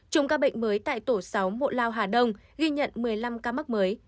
trong ca bệnh mới tại tổ sáu mộ lao hà đông ghi nhận một mươi năm ca mắc mới